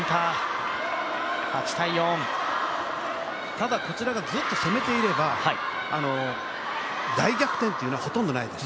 ただこちらがずっと攻めていれば大逆転というのはほとんどないです。